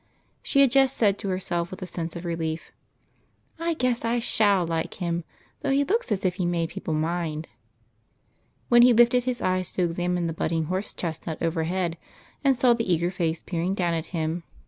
She had just said to herself, with a sense of relief, " I guess I shall like him, though he looks as if he made people mind," when he lifted his eyes to examine the budding horse chestnut overhead, and saw the eager face peering down at him.